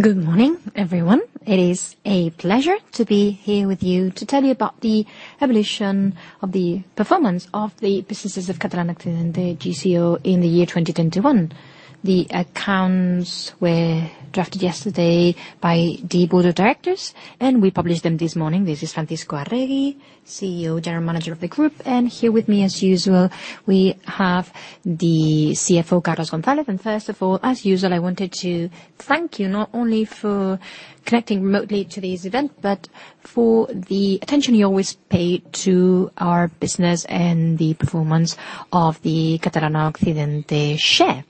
Good morning, everyone. It is a pleasure to be here with you to tell you about the evolution of the performance of the businesses of Catalana Occidente, GCO, in the year 2021. The accounts were drafted yesterday by the board of directors, and we published them this morning. This is Francisco Arregui, CEO/General Manager of the group. Here with me, as usual, we have the CFO, Carlos Gonzalez. First of all, as usual, I wanted to thank you not only for connecting remotely to this event, but for the attention you always pay to our business and the performance of the Catalana Occidente share.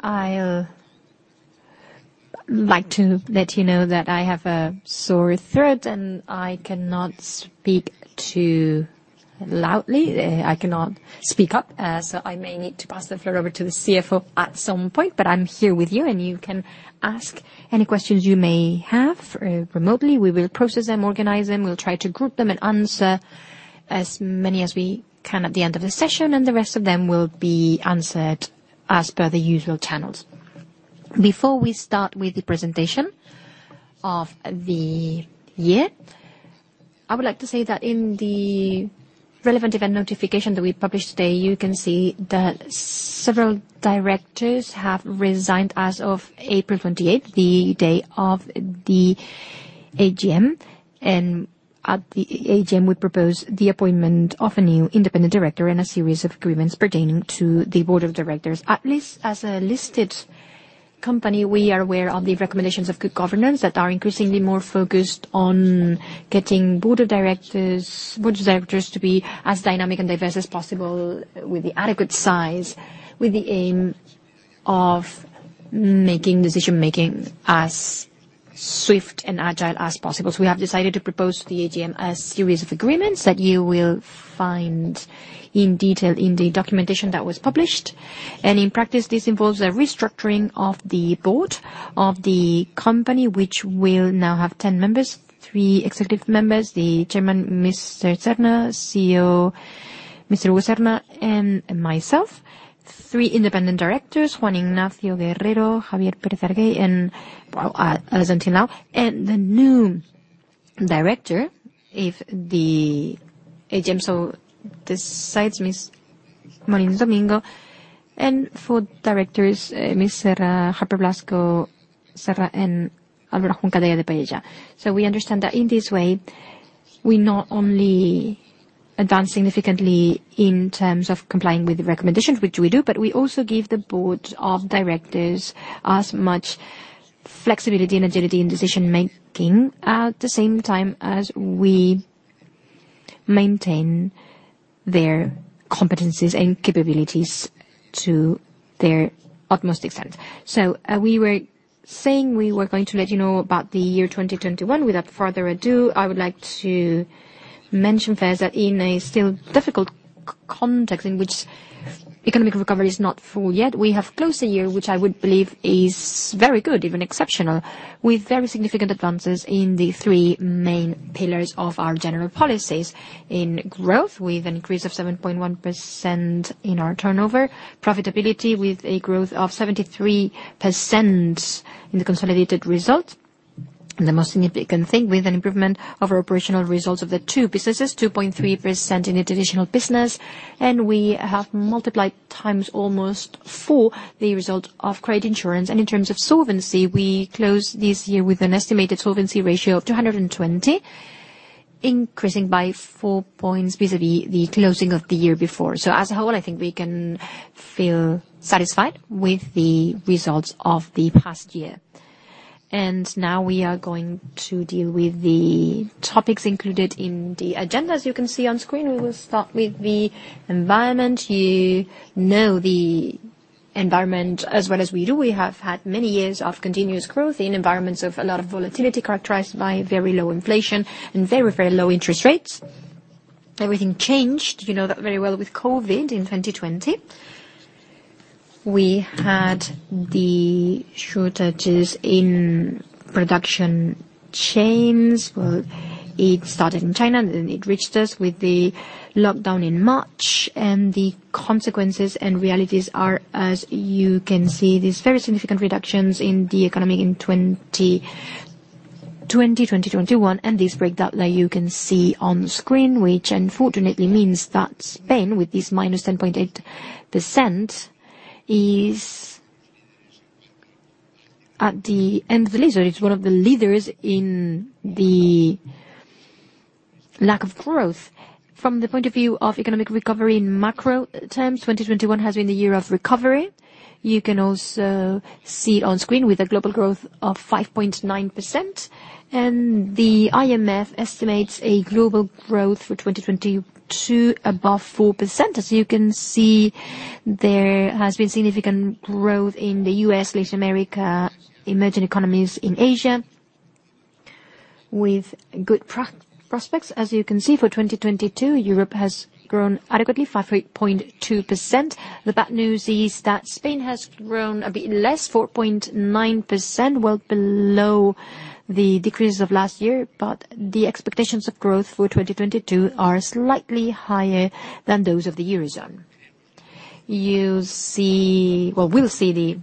I'd like to let you know that I have a sore throat, and I cannot speak too loudly. I cannot speak up, so I may need to pass the floor over to the CFO at some point. I'm here with you, and you can ask any questions you may have, remotely. We will process them, organize them. We'll try to group them and answer as many as we can at the end of the session, and the rest of them will be answered as per the usual channels. Before we start with the presentation of the year, I would like to say that in the relevant event notification that we published today, you can see that several directors have resigned as of April 28, the day of the AGM. At the AGM, we propose the appointment of a new independent director and a series of agreements pertaining to the board of directors. At least as a listed company, we are aware of the recommendations of good governance that are increasingly more focused on getting board of directors to be as dynamic and diverse as possible with the adequate size, with the aim of making decision-making as swift and agile as possible. We have decided to propose to the AGM a series of agreements that you will find in detail in the documentation that was published. In practice, this involves a restructuring of the board of the company, which will now have 10 members, three executive members, the chairman, Mr. Serra, CEO, Mr. Álvarez Juste, and myself, three independent directors, Juan Ignacio Guerrero, Javier Pérez Farguell, and as until now. The new director, if the AGM so decides, Ms. Molins Domingo, and four directors, Ms. Serra, Halpern Blasco, and Álvaro Juncadella de Pallejà. We understand that in this way, we not only advance significantly in terms of complying with the recommendations, which we do, but we also give the board of directors as much flexibility and agility in decision-making at the same time as we maintain their competencies and capabilities to their utmost extent. We were saying we were going to let you know about the year 2021. Without further ado, I would like to mention first that in a still difficult context in which economic recovery is not full yet, we have closed a year which I would believe is very good, even exceptional, with very significant advances in the three main pillars of our general policies. In growth, with an increase of 7.1% in our turnover, profitability with a growth of 73% in the consolidated result. The most significant thing, with an improvement of our operational results of the two businesses, 2.3% in the traditional business, and we have multiplied times almost 4% the result of credit insurance. In terms of solvency, we closed this year with an estimated solvency ratio of 220, increasing by 4 points vis-a-vis the closing of the year before. As a whole, I think we can feel satisfied with the results of the past year. Now we are going to deal with the topics included in the agenda. As you can see on screen, we will start with the environment. You know the environment as well as we do. We have had many years of continuous growth in environments of a lot of volatility characterized by very low inflation and very, very low interest rates. Everything changed, you know that very well, with COVID in 2020. We had the shortages in production chains. Well, it started in China, and then it reached us with the lockdown in March. The consequences and realities are, as you can see, these very significant reductions in the economy in 2020, 2021, and this breakdown that you can see on screen, which unfortunately means that Spain, with this -10.8%, is at the end of the list, or is one of the leaders in the lack of growth. From the point of view of economic recovery in macro terms, 2021 has been the year of recovery. You can also see on screen with a global growth of 5.9%, and the IMF estimates a global growth for 2022 above 4%. As you can see, there has been significant growth in the U.S., Latin America, emerging economies in Asia with good prospects. As you can see for 2022, Europe has grown adequately, 5.2%. The bad news is that Spain has grown a bit less, 4.9%, well below the decreases of last year. The expectations of growth for 2022 are slightly higher than those of the Eurozone. Well, we'll see the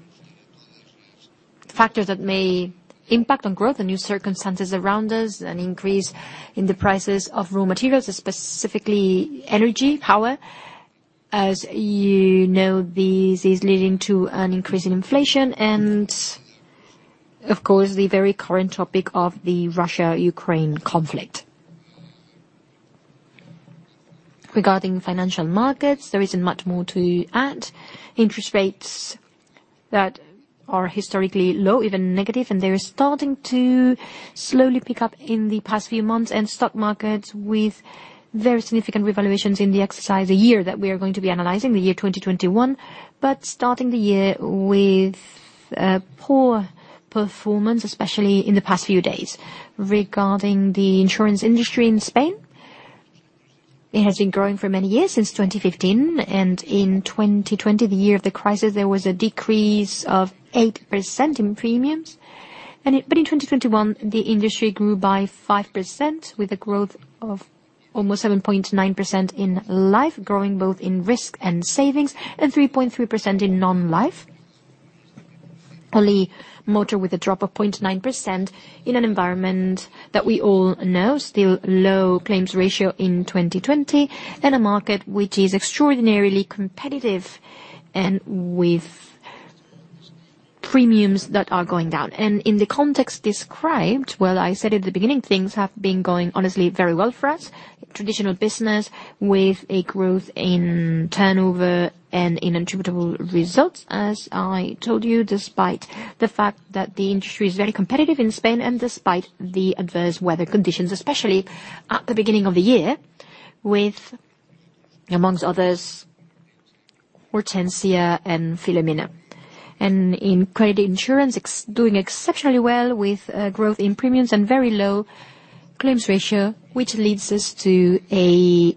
factors that may impact on growth and new circumstances around us, an increase in the prices of raw materials, specifically energy, power. As you know, this is leading to an increase in inflation and of course, the very current topic of the Russia-Ukraine conflict. Regarding financial markets, there isn't much more to add. Interest rates that are historically low, even negative, and they're starting to slowly pick up in the past few months. Stock markets with very significant revaluations in the year that we are going to be analyzing, the year 2021. Starting the year with poor performance, especially in the past few days. Regarding the insurance industry in Spain, it has been growing for many years, since 2015, and in 2020, the year of the crisis, there was a decrease of 8% in premiums. In 2021, the industry grew by 5% with a growth of almost 7.9% in life, growing both in risk and savings, and 3.3% in non-life. Only motor with a drop of 0.9% in an environment that we all know, still low claims ratio in 2020, and a market which is extraordinarily competitive and with premiums that are going down. In the context described, well, I said at the beginning, things have been going honestly very well for us. Traditional business with a growth in turnover and in attributable results, as I told you, despite the fact that the industry is very competitive in Spain and despite the adverse weather conditions, especially at the beginning of the year, with, among others, Hortensia and Filomena. In credit insurance, doing exceptionally well with growth in premiums and very low claims ratio, which leads us to a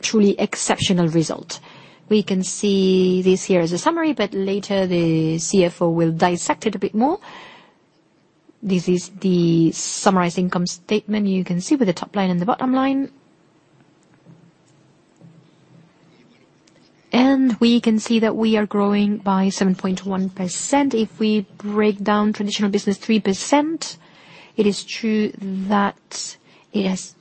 truly exceptional result. We can see this here as a summary, but later the CFO will dissect it a bit more. This is the summarized income statement you can see with the top line and the bottom line. We can see that we are growing by 7.1%. If we break down traditional business 3%, it is true that it has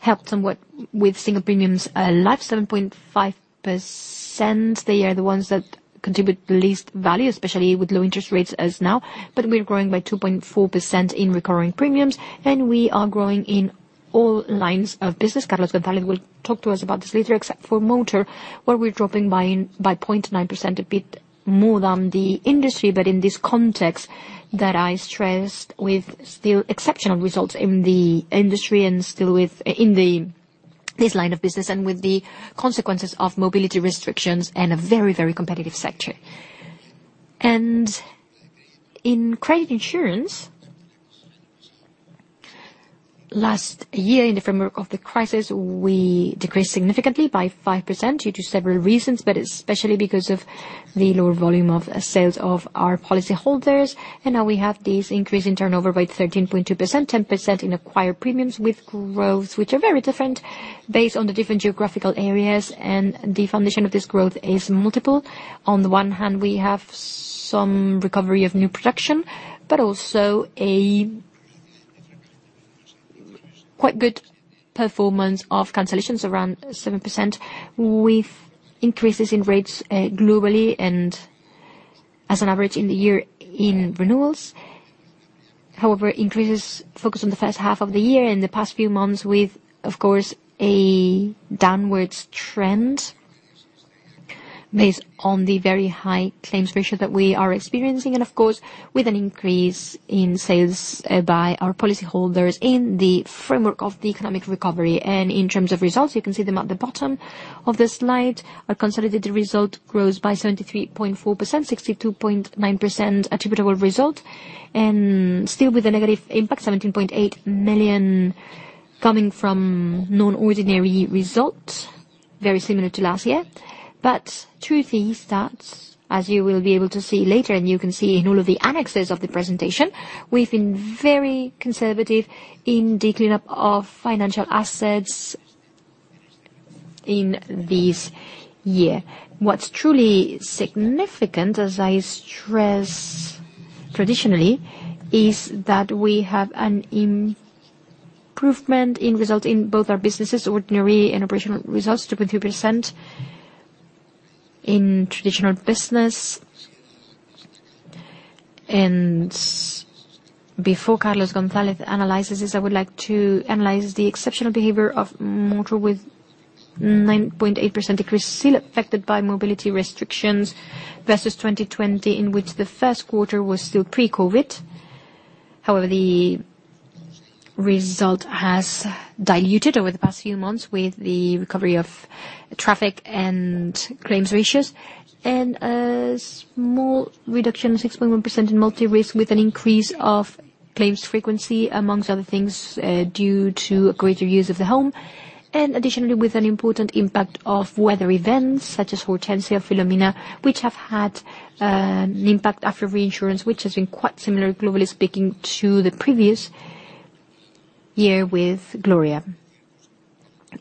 helped somewhat with single premiums, life, 7.5%. They are the ones that contribute the least value, especially with low interest rates as now. We're growing by 2.4% in recurring premiums, and we are growing in all lines of business. Carlos Gonzalez will talk to us about this later, except for motor, where we're dropping by 0.9%, a bit more than the industry. In this context that I stressed with still exceptional results in the industry and still with. This line of business and with the consequences of mobility restrictions and a very, very competitive sector. In credit insurance, last year in the framework of the crisis, we decreased significantly by 5% due to several reasons, but especially because of the lower volume of sales of our policyholders. Now we have this increase in turnover by 13.2%, 10% in acquired premiums with growth, which are very different based on the different geographical areas. The foundation of this growth is multiple. On the one hand, we have some recovery of new production, but also a quite good performance of cancellations, around 7%, with increases in rates, globally and as an average in the year in renewals. However, the increase is focused on the first half of the year, in the past few months with, of course, a downward trend based on the very high claims ratio that we are experiencing, and of course, with an increase in sales by our policyholders in the framework of the economic recovery. In terms of results, you can see them at the bottom of the slide. Our consolidated result grows by 73.4%, 62.9% attributable result. Still with a negative impact, 17.8 million coming from non-ordinary results, very similar to last year. Two key stats, as you will be able to see later, and you can see in all of the annexes of the presentation, we've been very conservative in the cleanup of financial assets in this year. What's truly significant, as I stress traditionally, is that we have an improvement in result in both our businesses, ordinary and operational results, 2.3% in traditional business. Before Carlos Gonzalez analyzes this, I would like to analyze the exceptional behavior of motor with 9.8% decrease, still affected by mobility restrictions versus 2020, in which the first quarter was still pre-COVID. However, the result has diluted over the past few months with the recovery of traffic and claims ratios. A small reduction, 6.1% in multi-risk, with an increase of claims frequency, among other things, due to greater use of the home. Additionally, with an important impact of weather events such as Hortensia, Filomena, which have had an impact after reinsurance, which has been quite similar, globally speaking, to the previous year with Gloria.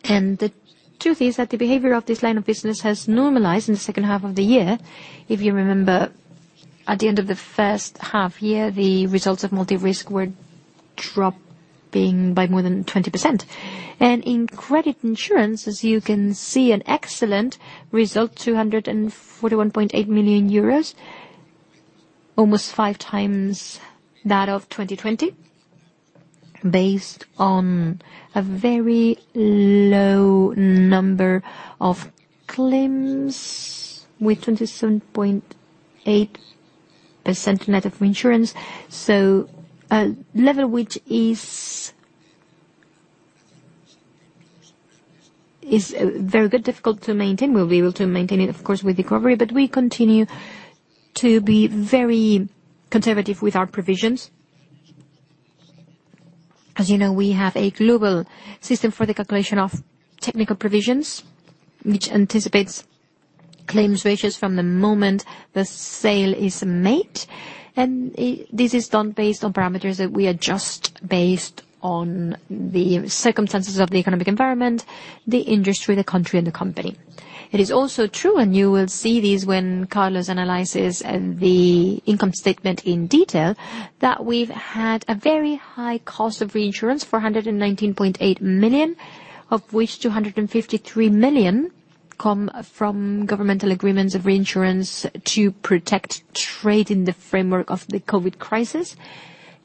The truth is that the behavior of this line of business has normalized in the second half of the year. If you remember, at the end of the first half year, the results of multi-risk were dropping by more than 20%. In credit insurance, as you can see, an excellent result, 241.8 million euros, almost five times that of 2020, based on a very low number of claims with 27.8% net of insurance. A level which is very good, difficult to maintain. We'll be able to maintain it, of course, with recovery, but we continue to be very conservative with our provisions. As you know, we have a global system for the calculation of technical provisions, which anticipates claims ratios from the moment the sale is made. This is done based on parameters that we adjust based on the circumstances of the economic environment, the industry, the country, and the company. It is also true, and you will see these when Carlos analyzes the income statement in detail, that we've had a very high cost of reinsurance, 419.8 million, of which 253 million come from governmental agreements of reinsurance to protect trade in the framework of the COVID crisis.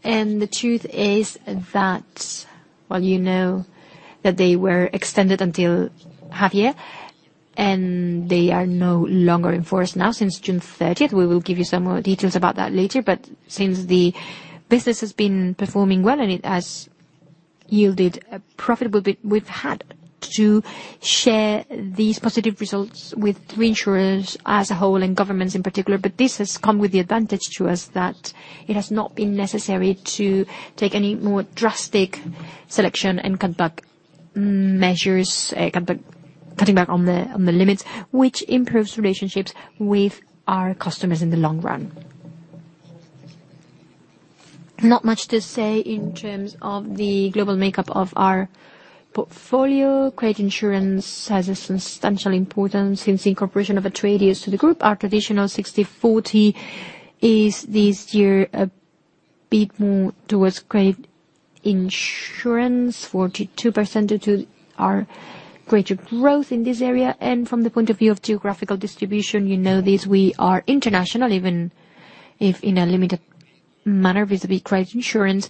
The truth is that while you know that they were extended until half year, and they are no longer in force now since June 30. We will give you some more details about that later. Since the business has been performing well and it has yielded profitability, we've had to share these positive results with reinsurers as a whole and governments in particular. This has come with the advantage to us that it has not been necessary to take any more drastic selection and cutback measures, cutting back on the limits, which improves relationships with our customers in the long run. Not much to say in terms of the global makeup of our portfolio. Credit insurance has a substantial importance since the incorporation of Atradius to the group. Our traditional 60/40 is this year a bit more towards credit insurance, 42% due to our greater growth in this area. From the point of view of geographical distribution, you know this, we are international, even if in a limited manner, visibly credit insurance,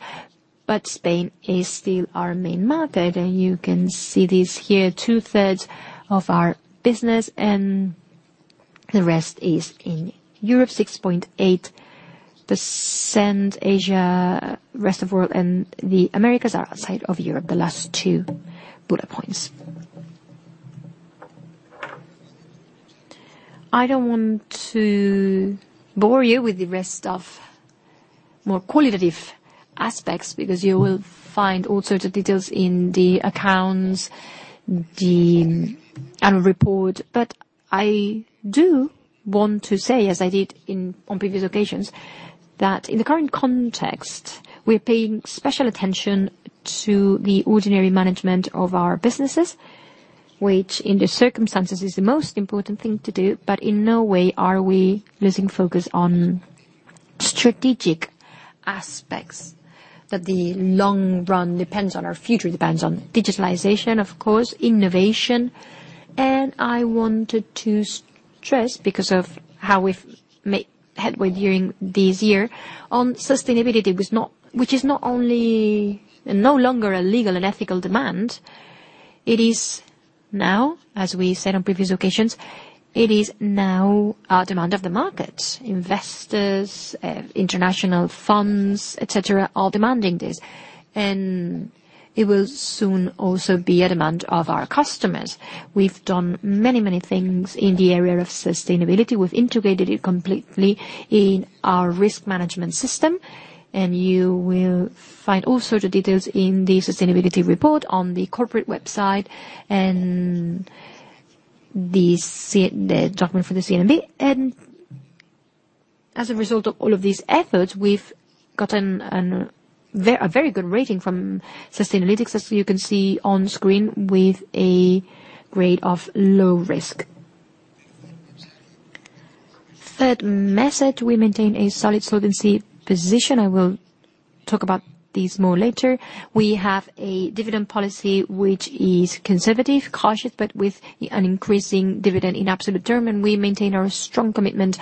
but Spain is still our main market. You can see this here, 2/3 of our business and the rest is in Europe, 6.8%. Asia, rest of world, and the Americas are outside of Europe, the last two bullet points. I don't want to bore you with the rest of more qualitative aspects because you will find all sorts of details in the accounts, the annual report. I do want to say, as I did in, on previous occasions, that in the current context, we're paying special attention to the ordinary management of our businesses, which in the circumstances is the most important thing to do. In no way are we losing focus on strategic aspects that the long run depends on, our future depends on. Digitalization, of course, innovation. I wanted to stress, because of how we've made headway during this year on sustainability, which is not only no longer a legal and ethical demand. It is now, as we said on previous occasions, a demand of the market. Investors, international funds, et cetera, are demanding this. It will soon also be a demand of our customers. We've done many things in the area of sustainability. We've integrated it completely in our risk management system, and you will find all sorts of details in the sustainability report on the corporate website and the the document for the CNMV. As a result of all of these efforts, we've gotten a very good rating from Sustainalytics, as you can see on screen, with a grade of low risk. Third message, we maintain a solid solvency position. I will talk about this more later. We have a dividend policy which is conservative, cautious, but with an increasing dividend in absolute term, and we maintain our strong commitment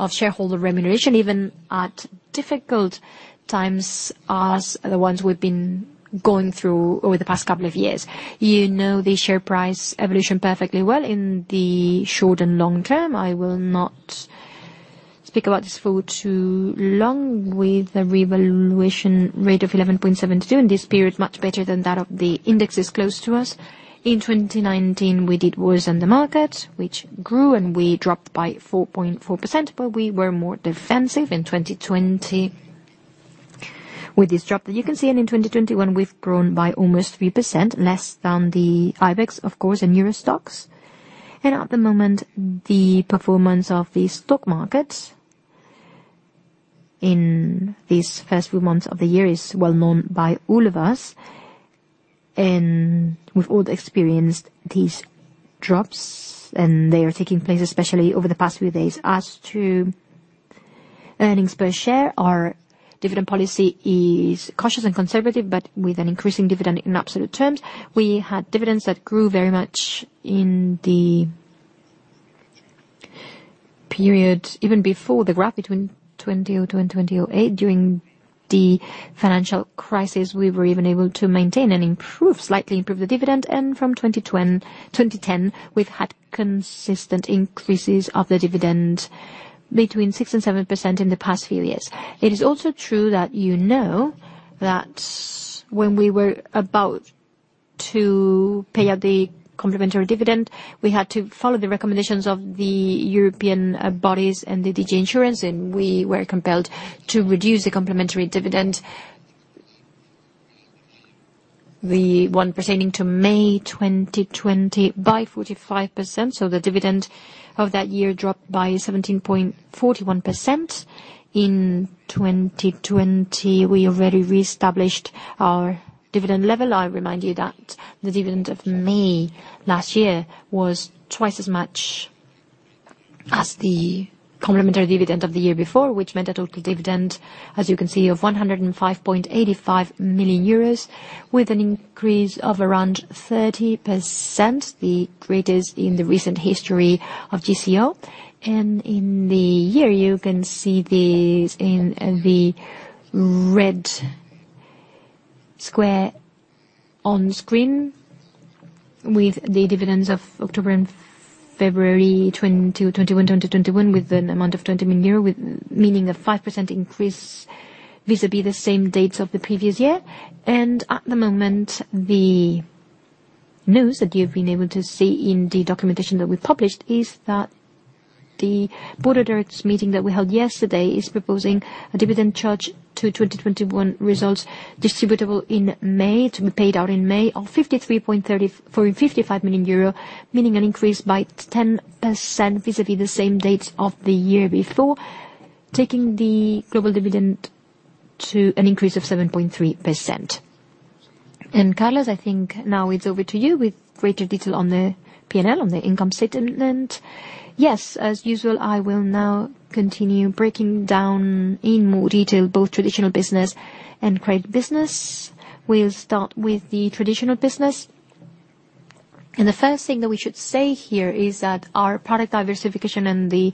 of shareholder remuneration, even at difficult times as the ones we've been going through over the past couple of years. You know the share price evolution perfectly well in the short and long term. I will not speak about this for too long. With a revaluation rate of 11.72% in this period, much better than that of the indexes close to us. In 2019, we did worse than the market, which grew, and we dropped by 4.4%, but we were more defensive in 2020 with this drop that you can see. In 2021, we've grown by almost 3%, less than the IBEX, of course, and EURO STOXX. At the moment, the performance of the stock market in these first few months of the year is well-known by all of us, and we've all experienced these drops, and they are taking place, especially over the past few days. As to earnings per share, our dividend policy is cautious and conservative, but with an increasing dividend in absolute terms. We had dividends that grew very much in the period, even before the graph between 2002 and 2008. During the financial crisis, we were even able to maintain and slightly improve the dividend. From 2010, we've had consistent increases of the dividend between 6% and 7% in the past few years. It is also true that you know that when we were about to pay out the complementary dividend, we had to follow the recommendations of the European bodies and the DG Insurance, and we were compelled to reduce the complementary dividend. The one pertaining to May 2020 by 45%, so the dividend of that year dropped by 17.41%. In 2020, we already reestablished our dividend level. I remind you that the dividend of May last year was twice as much as the complementary dividend of the year before, which meant a total dividend, as you can see, of 105.85 million euros with an increase of around 30%, the greatest in the recent history of GCO. In the year, you can see these in the red square on screen with the dividends of October and February 2021, with an amount of 20 million euro, with, meaning a 5% increase vis-à-vis the same dates of the previous year. At the moment, the news that you've been able to see in the documentation that we published is that the Board of Directors meeting that we held yesterday is proposing a dividend charge to 2021 results distributable in May, to be paid out in May of 55 million euro, meaning an increase by 10% vis-à-vis the same dates of the year before, taking the global dividend to an increase of 7.3%. Carlos, I think now it's over to you with greater detail on the P&L, on the income statement. Yes, as usual, I will now continue breaking down in more detail both traditional business and credit business. We'll start with the traditional business. The first thing that we should say here is that our product diversification and the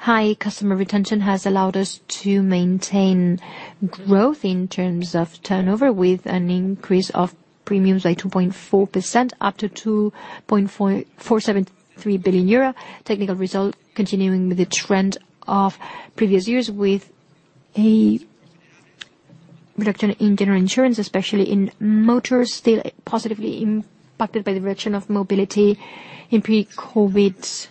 high customer retention has allowed us to maintain growth in terms of turnover, with an increase of premiums by 2.4% up to 2.473 billion euro. Technical result continuing with the trend of previous years, with a reduction in general insurance, especially in motors, still positively impacted by the reduction of mobility in pre-COVID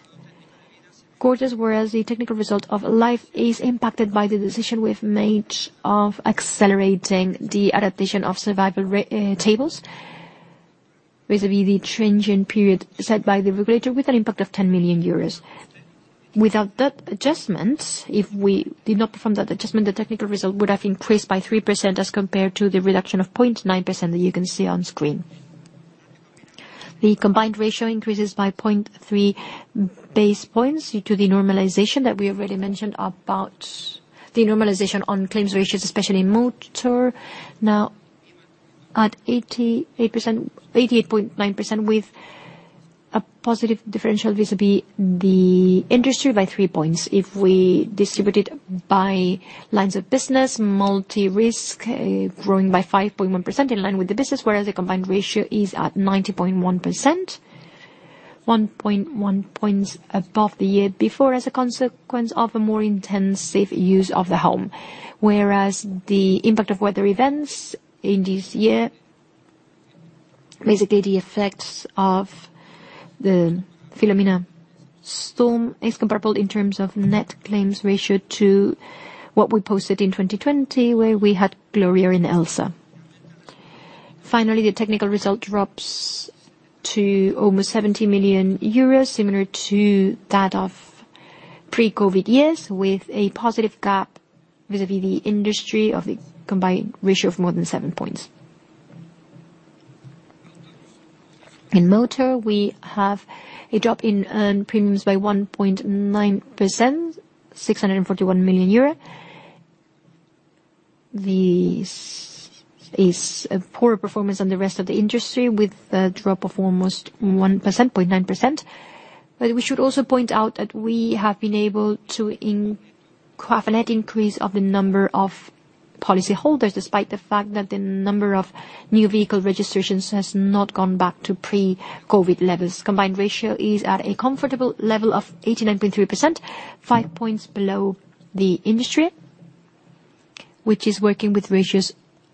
quarters, whereas the technical result of Life is impacted by the decision we've made of accelerating the adaptation of survival tables, vis-à-vis the transition period set by the regulator with an impact of 10 million euros. Without that adjustment, if we did not perform that adjustment, the technical result would have increased by 3% as compared to the reduction of 0.9% that you can see on screen. The combined ratio increases by 0.3 basis points due to the normalization that we already mentioned about the normalization on claims ratios, especially in motor, now at 88.9%, with a positive differential vis-à-vis the industry by 3 points. If we distribute it by lines of business, multi-risk growing by 5.1% in line with the business, whereas the combined ratio is at 90.1%, 1.1 points above the year before as a consequence of a more intensive use of the home. Whereas the impact of weather events in this year, basically, the effects of the Filomena storm is comparable in terms of net claims ratio to what we posted in 2020, where we had Gloria and Elsa. Finally, the technical result drops to almost 70 million euros, similar to that of pre-COVID years, with a positive gap vis-à-vis the industry of the combined ratio of more than 7 points. In motor, we have a drop in earned premiums by 1.9%, EUR 641 million. This is a poor performance on the rest of the industry with a drop of almost 1%, 0.9%. We should also point out that we have been able to have a net increase of the number of policy holders, despite the fact that the number of new vehicle registrations has not gone back to pre-COVID levels. Combined ratio is at a comfortable level of 89.3%, 5 points below the industry, which is working with ratios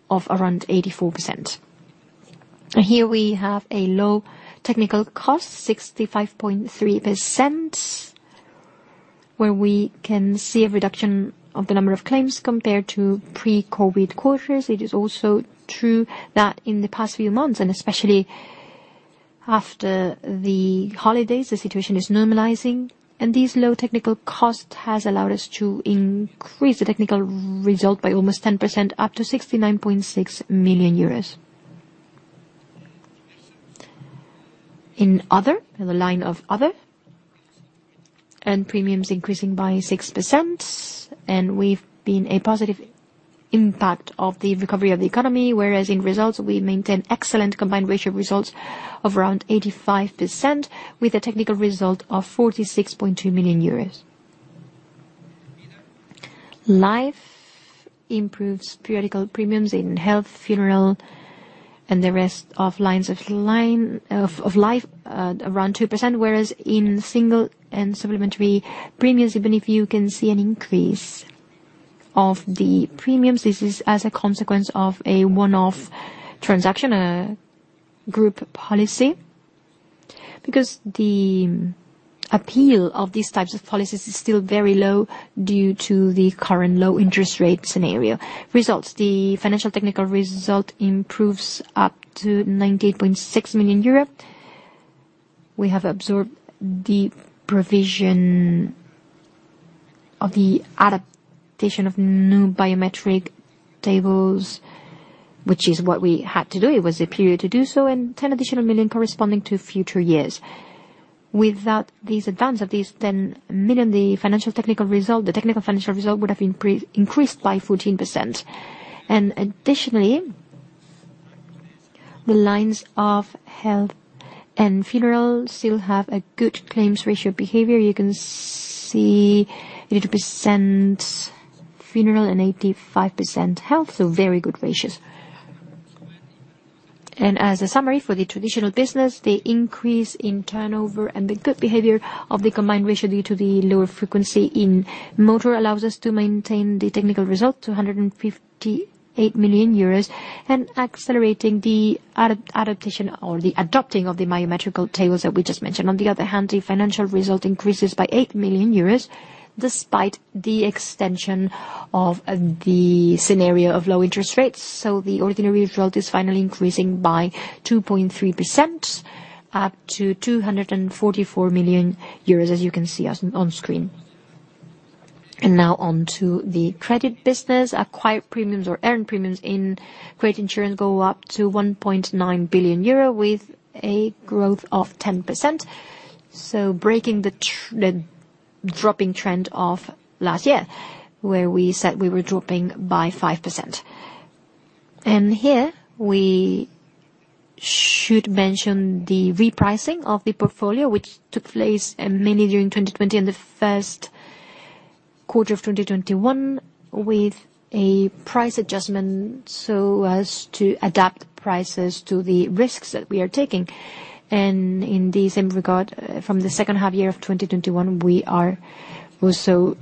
of around 84%. Here we have a low technical cost, 65.3%, where we can see a reduction of the number of claims compared to pre-COVID quarters. It is also true that in the past few months, and especially after the holidays, the situation is normalizing, and these low technical cost has allowed us to increase the technical result by almost 10% up to 69.6 million euros. In other, in the line of other, earned premiums increasing by 6%, and we've seen a positive impact of the recovery of the economy. Whereas in results, we maintain excellent combined ratio results of around 85% with a technical result of 46.2 million euros. Life improves periodic premiums in health, funeral, and the rest of lines of Life around 2%. Whereas in single and supplementary premiums, even if you can see an increase of the premiums, this is as a consequence of a one-off transaction, a group policy. The appeal of these types of policies is still very low due to the current low interest rate scenario. The results, the financial technical result improves up to 98.6 million euro. We have absorbed the provision of the adaptation of new biometric tables, which is what we had to do. It was a period to do so, and 10 million corresponding to future years. Without the advance of these 10 million, the financial technical result would have increased by 14%. Additionally, the lines of health and funeral still have a good claims ratio behavior. You can see 82% funeral and 85% health, so very good ratios. As a summary for the traditional business, the increase in turnover and the good behavior of the combined ratio due to the lower frequency in motor allows us to maintain the technical result, 258 million euros, and accelerating the adaptation or the adopting of the biometric tables that we just mentioned. On the other hand, the financial result increases by 8 million euros, despite the extension of the scenario of low interest rates. The ordinary result is finally increasing by 2.3% up to 244 million euros, as you can see on screen. Now on to the credit business. Acquired premiums or earned premiums in credit insurance go up to 1.9 billion euro with a growth of 10%, so breaking the dropping trend of last year, where we said we were dropping by 5%. Here we should mention the repricing of the portfolio, which took place mainly during 2020 and the first quarter of 2021, with a price adjustment so as to adapt prices to the risks that we are taking. In the same regard, from the second half year of 2021, we are also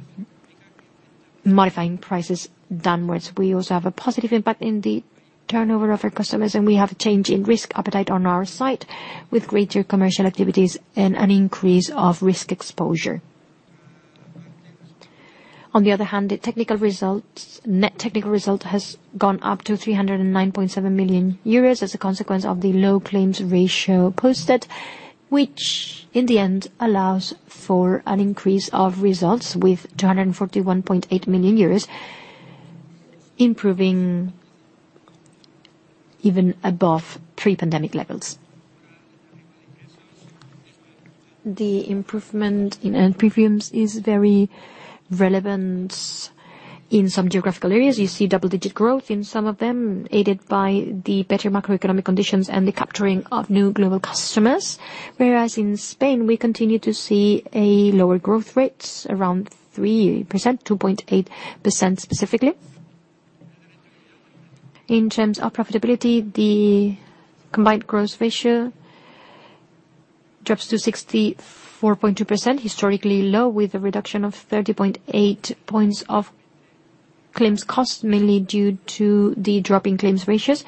modifying prices downwards. We also have a positive impact in the turnover of our customers, and we have a change in risk appetite on our side, with greater commercial activities and an increase of risk exposure. On the other hand, the technical results, net technical result has gone up to 309.7 million euros as a consequence of the low claims ratio posted, which in the end allows for an increase of results with 241.8 million euros, improving even above pre-pandemic levels. The improvement in earned premiums is very relevant in some geographical areas. You see double-digit growth in some of them, aided by the better macroeconomic conditions and the capturing of new global customers. Whereas in Spain, we continue to see a lower growth rates around 3%, 2.8% specifically. In terms of profitability, the combined ratio drops to 64.2%, historically low, with a reduction of 30.8 points of claims costs, mainly due to the drop in claims ratios,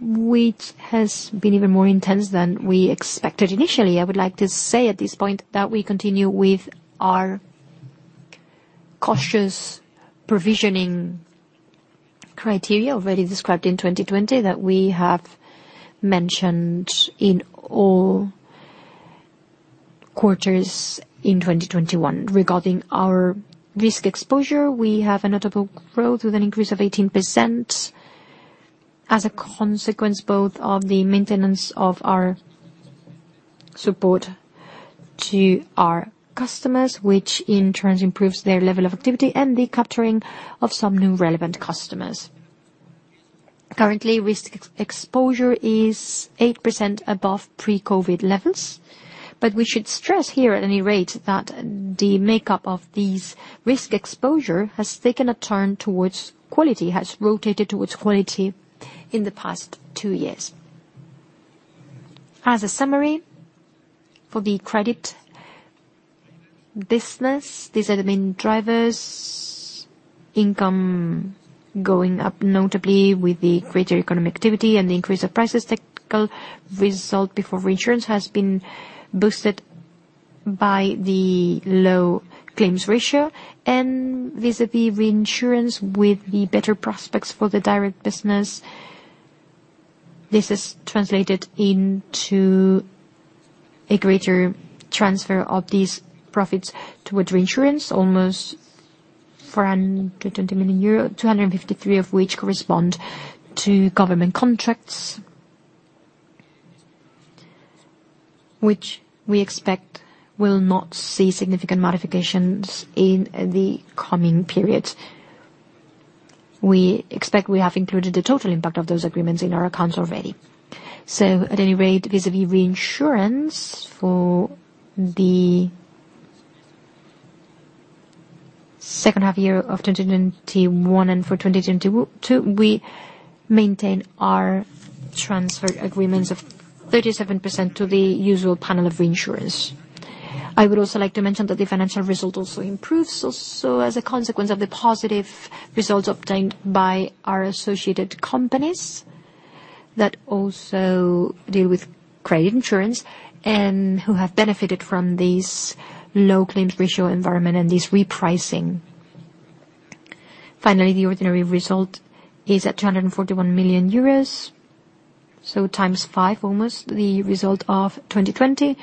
which has been even more intense than we expected initially. I would like to say at this point that we continue with our cautious provisioning criteria already described in 2020 that we have mentioned in all quarters in 2021. Regarding our risk exposure, we have a notable growth with an increase of 18%. As a consequence, both of the maintenance of our support to our customers, which in turn improves their level of activity, and the capturing of some new relevant customers. Currently, risk exposure is 8% above pre-COVID levels. We should stress here at any rate that the makeup of this risk exposure has taken a turn towards quality, has rotated towards quality in the past two years. As a summary, for the credit business, these are the main drivers. Income going up, notably with the greater economic activity and the increase of prices. Technical result before reinsurance has been boosted by the low claims ratio and vis-a-vis reinsurance with the better prospects for the direct business. This is translated into a greater transfer of these profits towards reinsurance, almost 420 million euro, 253 million of which correspond to government contracts, which we expect will not see significant modifications in the coming periods. We expect we have included the total impact of those agreements in our accounts already. At any rate, vis-à-vis reinsurance for the second half year of 2021 and for 2022, we maintain our transfer agreements of 37% to the usual panel of reinsurance. I would also like to mention that the financial result also improves, also as a consequence of the positive results obtained by our associated companies that also deal with credit insurance and who have benefited from this low claims ratio environment and this repricing. Finally, the ordinary result is at 241 million euros, so times five, almost the result of 2020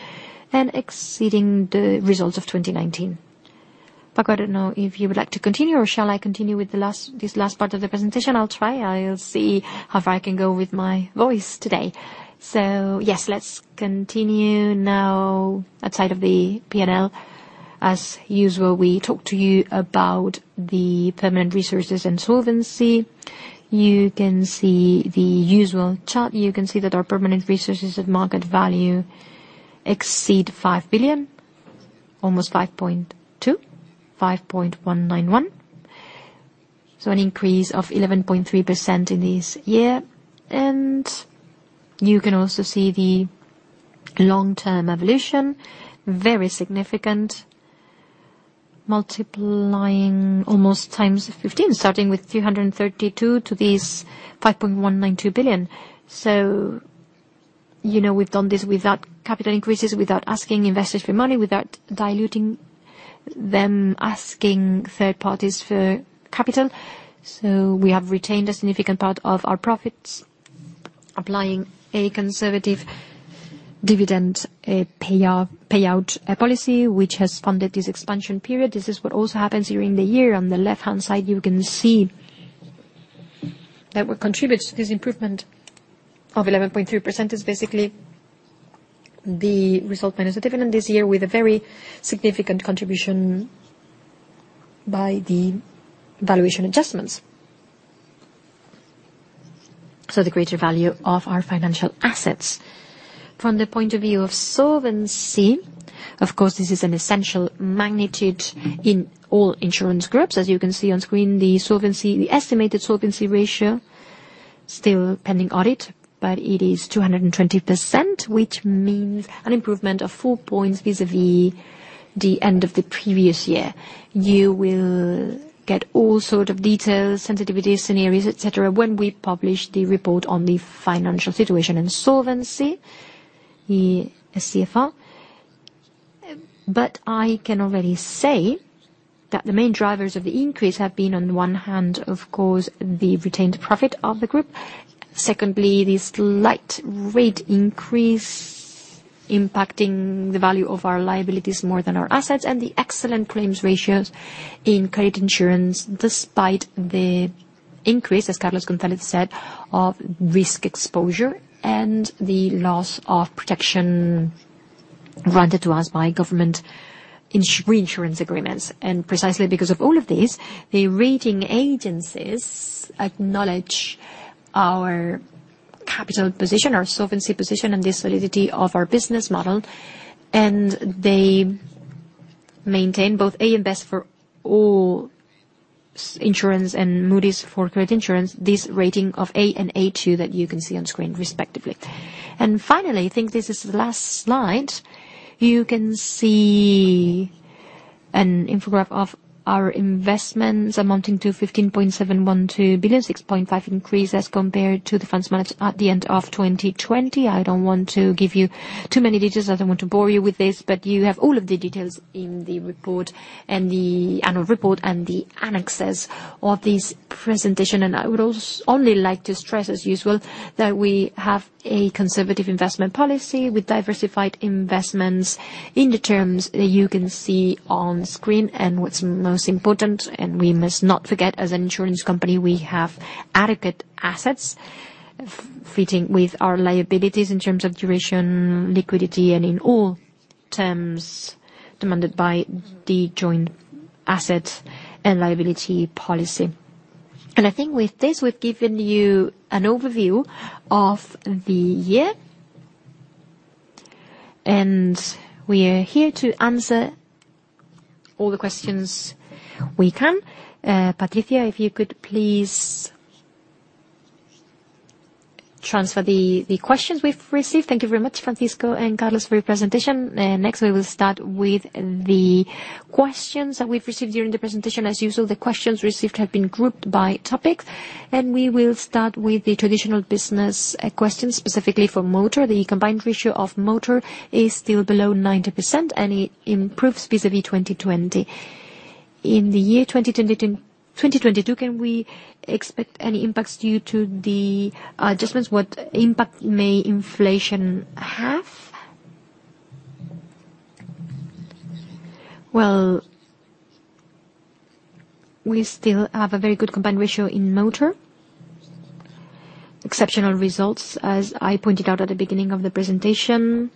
and exceeding the results of 2019. Paco, I don't know if you would like to continue or shall I continue with the last, this last part of the presentation? I'll try. I'll see how far I can go with my voice today. Yes, let's continue now outside of the P&L. As usual, we talk to you about the permanent resources and solvency. You can see the usual chart. You can see that our permanent resources at market value exceed 5 billion, almost 5.2 billion, 5.191 billion. An increase of 11.3% in this year. You can also see the long-term evolution, very significant, multiplying almost 15 times, starting with 332 billion to these 5.192 billion. You know, we've done this without capital increases, without asking investors for money, without diluting them, asking third parties for capital. We have retained a significant part of our profits, applying a conservative dividend payout policy, which has funded this expansion period. This is what also happens during the year. On the left-hand side, you can see that what contributes to this improvement of 11.3% is basically the result minus the dividend this year, with a very significant contribution by the valuation adjustments. The greater value of our financial assets. From the point of view of solvency, of course, this is an essential magnitude in all insurance groups. As you can see on screen, the solvency, the estimated solvency ratio, still pending audit, but it is 220%, which means an improvement of 4 points vis-a-vis the end of the previous year. You will get all sorts of details, sensitivity scenarios, et cetera, when we publish the report on the financial situation and solvency, the SFCR. I can already say that the main drivers of the increase have been, on one hand, of course, the retained profit of the group. Secondly, this slight rate increase impacting the value of our liabilities more than our assets and the excellent claims ratios in credit insurance, despite the increase, as Carlos Gonzalez said, of risk exposure and the loss of protection granted to us by government reinsurance agreements. Precisely because of all of this, the rating agencies acknowledge our capital position, our solvency position, and the solidity of our business model, and they maintain both AM Best for all insurance and Moody's for credit insurance. This rating of A and A2 that you can see on screen respectively. Finally, I think this is the last slide. You can see an infographic of our investments amounting to 15.712 billion, 6.5% increase as compared to the funds managed at the end of 2020. I don't want to give you too many details. I don't want to bore you with this, but you have all of the details in the report and the annual report and the annexes of this presentation. I would also like to stress, as usual, that we have a conservative investment policy with diversified investments in the terms that you can see on screen. What's most important, and we must not forget, as an insurance company, we have adequate assets fitting with our liabilities in terms of duration, liquidity, and in all terms demanded by the joint asset and liability policy. I think with this, we've given you an overview of the year. We are here to answer all the questions we can. Patricia, if you could please transfer the questions we've received. Thank you very much, Francisco and Carlos, for your presentation. Next, we will start with the questions that we've received during the presentation. As usual, the questions received have been grouped by topic, and we will start with the traditional business, questions specifically for motor. The combined ratio of motor is still below 90%, and it improves vis-à-vis 2020. In the year 2022, can we expect any impacts due to the adjustments? What impact may inflation have? Well, we still have a very good combined ratio in motor. Exceptional results, as I pointed out at the beginning of the presentation,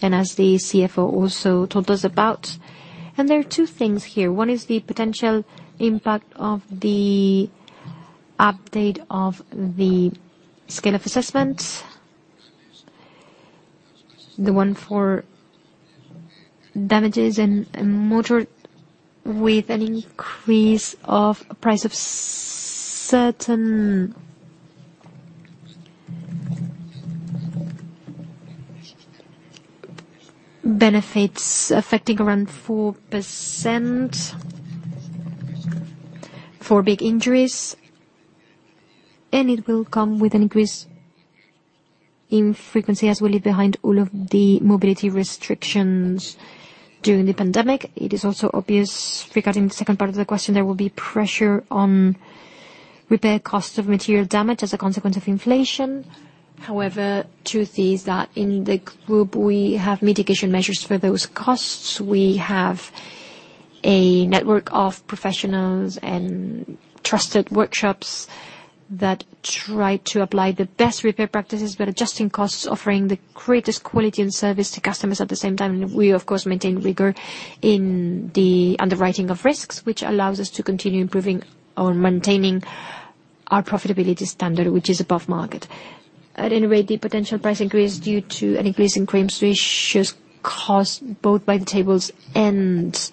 and as the CFO also told us about. There are two things here. One is the potential impact of the update of the scale of assessments. The one for damages and motor, with an increase of price of certain benefits affecting around 4% for big injuries, and it will come with an increase in frequency as we leave behind all of the mobility restrictions during the pandemic. It is also obvious regarding the second part of the question, there will be pressure on repair costs of material damage as a consequence of inflation. However, truth is that in the group, we have mitigation measures for those costs. We have a network of professionals and trusted workshops that try to apply the best repair practices, but adjusting costs, offering the greatest quality and service to customers at the same time. We of course maintain rigor in the underwriting of risks, which allows us to continue improving or maintaining our profitability standard, which is above market. At any rate, the potential price increase due to an increase in claims ratios caused both by the tables and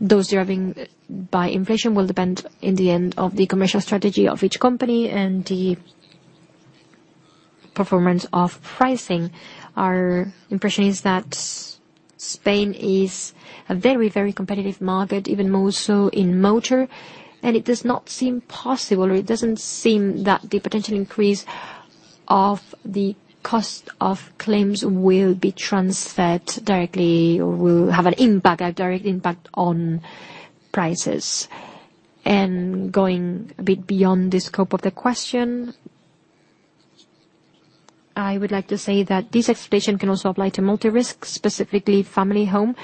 those driven by inflation will depend in the end on the commercial strategy of each company and the performance of pricing. Our impression is that Spain is a very, very competitive market, even more so in motor, and it does not seem possible, or it doesn't seem that the potential increase of the cost of claims will be transferred directly or will have an impact, a direct impact on prices. Going a bit beyond the scope of the question, I would like to say that this explanation can also apply to multi-risk, specifically family home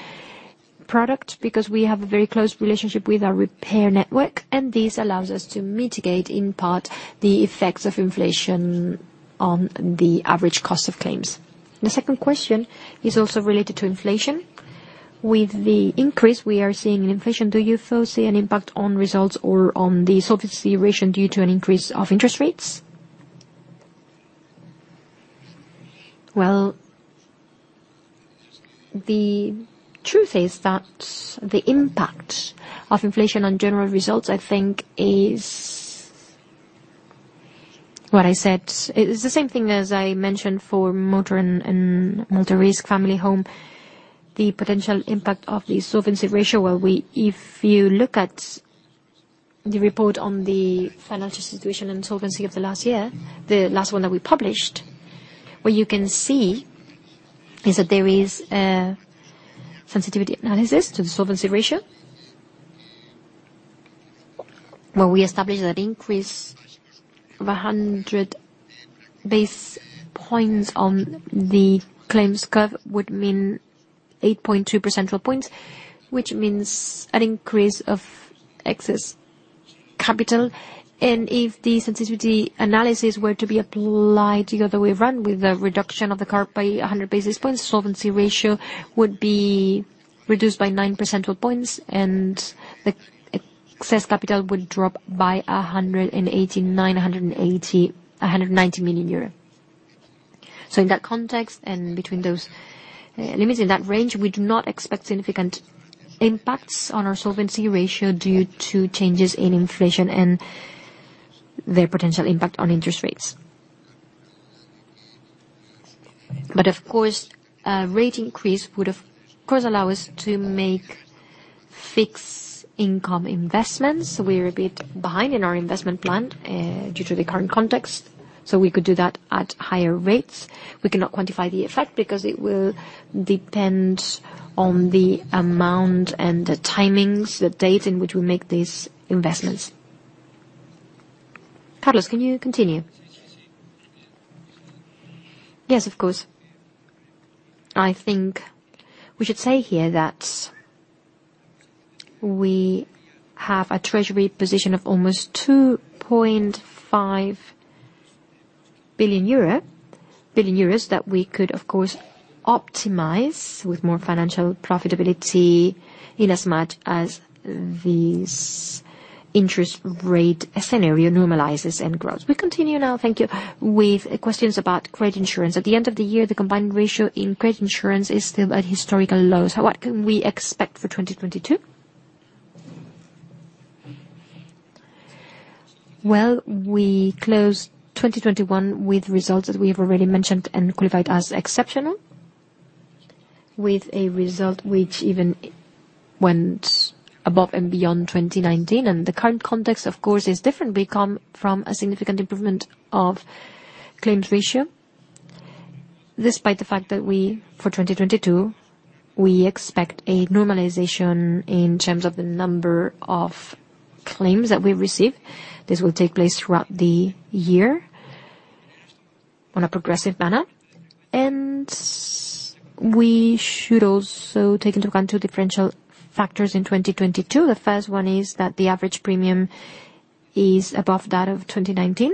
product, because we have a very close relationship with our repair network, and this allows us to mitigate, in part, the effects of inflation on the average cost of claims. The second question is also related to inflation. With the increase we are seeing in inflation, do you foresee an impact on results or on the solvency ratio due to an increase of interest rates? Well, the truth is that the impact of inflation on general results, I think, is what I said. It's the same thing as I mentioned for motor and multi-risk family home. The potential impact of the solvency ratio, where we, if you look at the report on the financial situation and solvency of the last year, the last one that we published, what you can see is that there is a sensitivity analysis to the solvency ratio, where we establish that increase of 100 basis points on the claims curve would mean 8.2 percentage points, which means an increase of excess capital. If the sensitivity analysis were to be applied the other way around, with a reduction of the curve by 100 basis points, solvency ratio would be reduced by 9 percentage points, and the excess capital would drop by 190 million euros. In that context, and between those limits in that range, we do not expect significant impacts on our solvency ratio due to changes in inflation and their potential impact on interest rates. Of course, a rate increase would of course allow us to make fixed income investments. We're a bit behind in our investment plan, due to the current context, so we could do that at higher rates. We cannot quantify the effect because it will depend on the amount and the timings, the date in which we make these investments. Carlos, can you continue? Yes, of course. I think we should say here that we have a treasury position of almost 2.5 billion euro that we could, of course, optimize with more financial profitability, inasmuch as this interest rate scenario normalizes and grows. We continue now, thank you, with questions about credit insurance. At the end of the year, the combined ratio in credit insurance is still at historical lows. What can we expect for 2022? Well, we closed 2021 with results that we have already mentioned and qualified as exceptional, with a result which even went above and beyond 2019. The current context, of course, is different. We come from a significant improvement of claims ratio, despite the fact that we, for 2022, we expect a normalization in terms of the number of claims that we receive. This will take place throughout the year on a progressive manner. We should also take into account two differential factors in 2022. The first one is that the average premium is above that of 2019.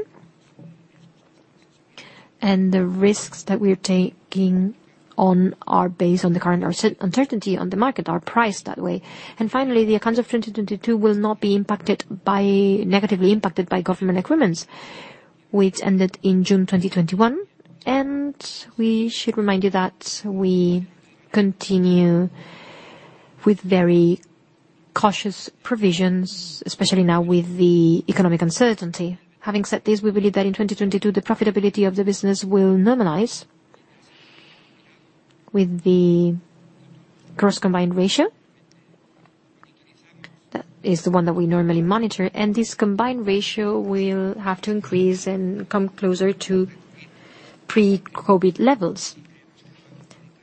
The risks that we are taking on are based on the current uncertainty on the market, are priced that way. Finally, the accounts of 2022 will not be negatively impacted by government agreements which ended in June 2021. We should remind you that we continue with very cautious provisions, especially now with the economic uncertainty. Having said this, we believe that in 2022, the profitability of the business will normalize with the gross combined ratio. That is the one that we normally monitor. This combined ratio will have to increase and come closer to pre-COVID levels.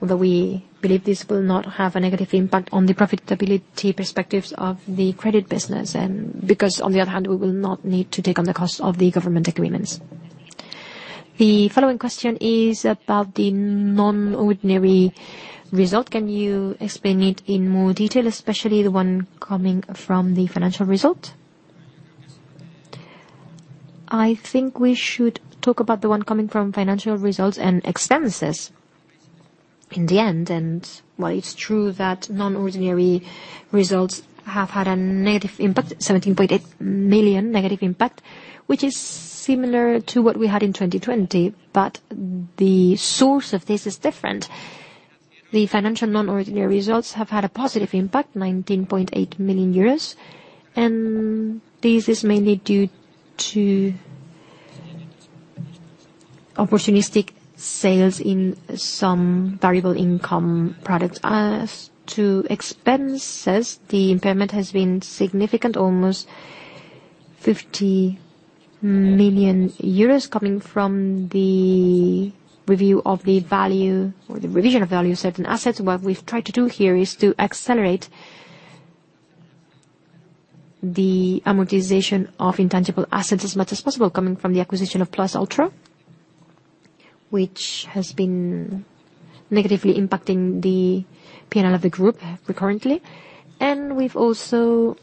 Although we believe this will not have a negative impact on the profitability perspectives of the credit business, and because on the other hand, we will not need to take on the cost of the government agreements. The following question is about the non-ordinary result. Can you explain it in more detail, especially the one coming from the financial result? I think we should talk about the one coming from financial results and expenses in the end. While it's true that non-ordinary results have had a negative impact, 17.8 million negative impact, which is similar to what we had in 2020, but the source of this is different. The financial non-ordinary results have had a positive impact, 19.8 million euros, and this is mainly due to opportunistic sales in some variable income products. As to expenses, the impairment has been significant, almost 50 million euros coming from the review of the value, or the revision of value of certain assets. What we've tried to do here is to accelerate the amortization of intangible assets as much as possible, coming from the acquisition of Plus Ultra, which has been negatively impacting the P&L of the group recurrently. We've also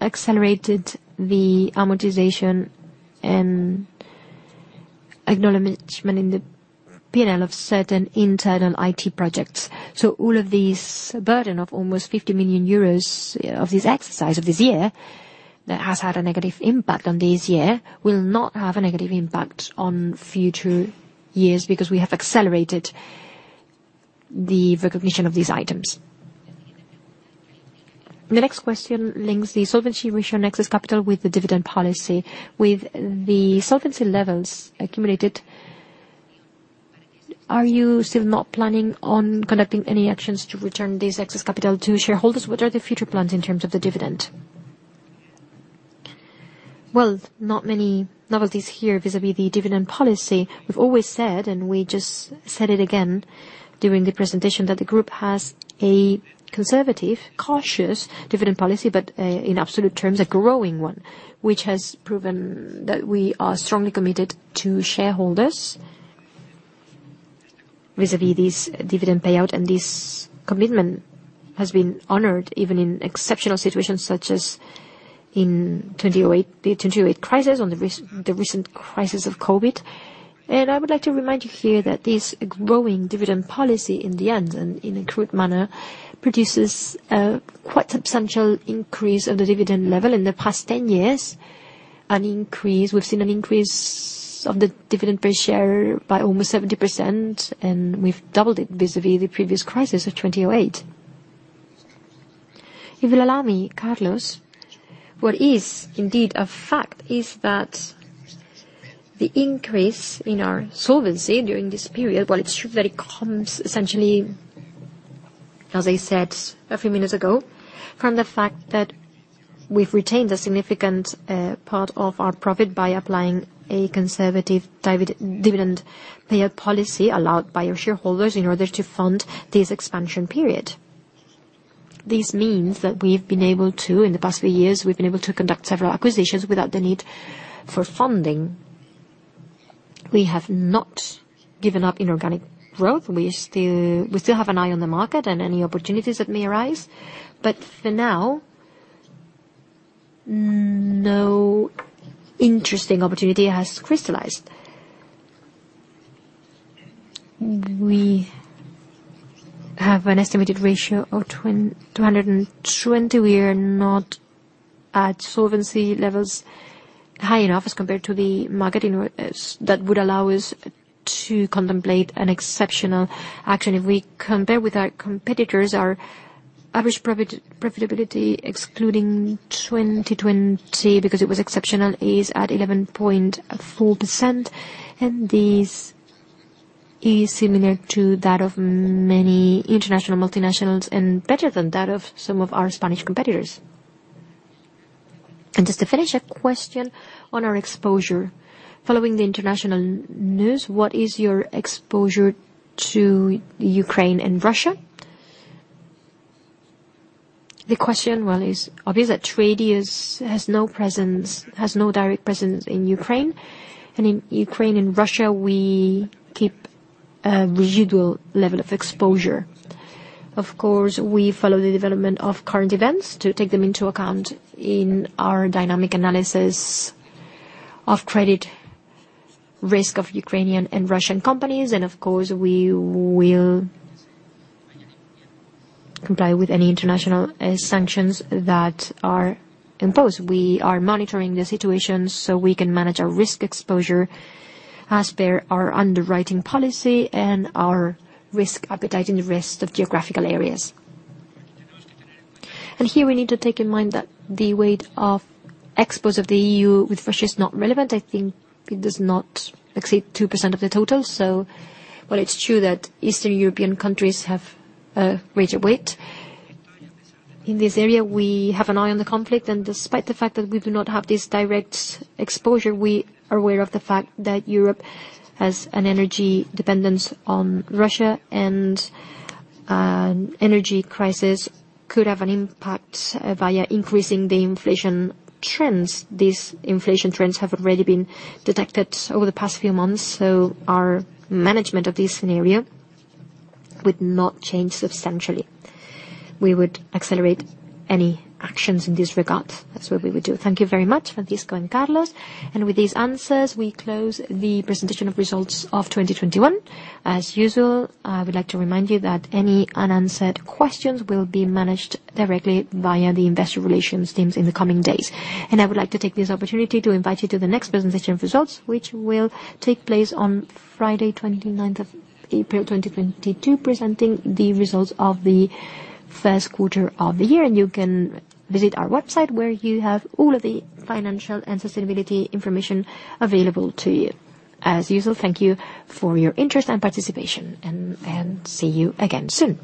accelerated the amortization and acknowledgement in the P&L of certain internal IT projects. All of this burden of almost 50 million euros of this exercise, of this year, that has had a negative impact on this year, will not have a negative impact on future years because we have accelerated the recognition of these items. The next question links the solvency ratio and excess capital with the dividend policy. With the solvency levels accumulated, are you still not planning on conducting any actions to return this excess capital to shareholders? What are the future plans in terms of the dividend? Well, not many novelties here vis-à-vis the dividend policy. We've always said, and we just said it again during the presentation, that the group has a conservative, cautious dividend policy, but in absolute terms, a growing one, which has proven that we are strongly committed to shareholders vis-à-vis this dividend payout. This commitment has been honored even in exceptional situations such as in 2008, the 2008 crisis, the recent crisis of COVID. I would like to remind you here that this growing dividend policy in the end, and in a crude manner, produces a quite substantial increase of the dividend level. In the past 10 years, we've seen an increase of the dividend per share by almost 70%, and we've doubled it vis-à-vis the previous crisis of 2008. If you will allow me, Carlos, what is indeed a fact is that the increase in our solvency during this period, while it's true that it comes essentially, as I said a few minutes ago, from the fact that we've retained a significant part of our profit by applying a conservative dividend payout policy allowed by our shareholders in order to fund this expansion period. This means that we've been able to, in the past few years, conduct several acquisitions without the need for funding. We have not given up inorganic growth. We still have an eye on the market and any opportunities that may arise, but for now, no interesting opportunity has crystallized. We have an estimated ratio of 220. We are not at solvency levels high enough as compared to the market in other situations that would allow us to contemplate an exceptional action. If we compare with our competitors, our average profitability, excluding 2020, because it was exceptional, is at 11.4%, and this is similar to that of many international multinationals and better than that of some of our Spanish competitors. Just to finish, a question on our exposure. Following the international news, what is your exposure to Ukraine and Russia? The question, well, is obvious, that Atradius has no presence, has no direct presence in Ukraine. In Ukraine and Russia, we keep a residual level of exposure. Of course, we follow the development of current events to take them into account in our dynamic analysis of credit risk of Ukrainian and Russian companies. Of course, we will comply with any international, sanctions that are imposed. We are monitoring the situation, so we can manage our risk exposure as per our underwriting policy and our risk appetite in the rest of geographical areas. Here, we need to take in mind that the weight of exports of the EU with Russia is not relevant. I think it does not exceed 2% of the total. While it's true that Eastern European countries have a greater weight in this area, we have an eye on the conflict. Despite the fact that we do not have this direct exposure, we are aware of the fact that Europe has an energy dependence on Russia, and an energy crisis could have an impact via increasing the inflation trends. These inflation trends have already been detected over the past few months. Our management of this scenario would not change substantially. We would accelerate any actions in this regard. That's what we would do. Thank you very much, Francisco and Carlos. With these answers, we close the presentation of results of 2021. As usual, I would like to remind you that any unanswered questions will be managed directly via the investor relations teams in the coming days. I would like to take this opportunity to invite you to the next presentation of results, which will take place on Friday, 29th of April, 2022, presenting the results of the first quarter of the year. You can visit our website, where you have all of the financial and sustainability information available to you. As usual, thank you for your interest and participation, and see you again soon.